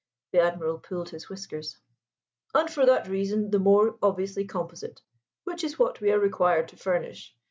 The Admiral pulled his whiskers. "And for that reason the more obviously composite which is what we are required to furnish.